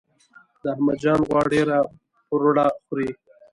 د احمد جان غوا ډیره پروړه خوري.